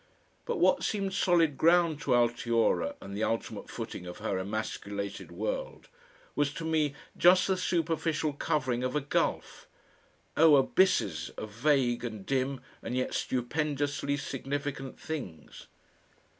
But what seemed solid ground to Altiora and the ultimate footing of her emasculated world, was to me just the superficial covering of a gulf oh! abysses of vague and dim, and yet stupendously significant things.